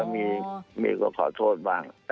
มีก็ขอโทษบ้าง